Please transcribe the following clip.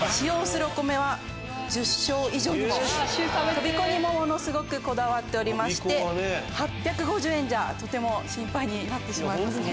とび子にもものすごくこだわってまして８５０円じゃとても心配になってしまいますね。